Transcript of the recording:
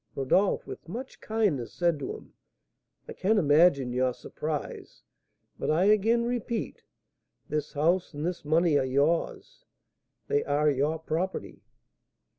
Rodolph, with much kindness, said to him: "I can imagine your surprise; but I again repeat, this house and this money are yours, they are your property."